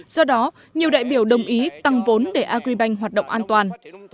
do đó nhiều đại biểu đồng ý tăng vốn để agribank hoạt động an toàn